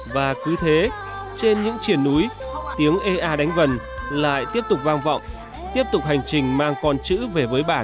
và cứ thế trên những triển núi tiếng ê a đánh vần lại tiếp tục vang vọng tiếp tục hành trình mang con chữ về với bản